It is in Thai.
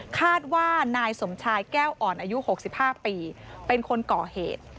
คาดว่านายสมชายแก้วอ่อนอายุ๖๕ปีเป็นคนก่อเหตุ